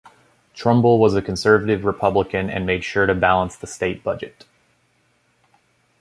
Trumbull was a conservative Republican and made sure to balance the State budget.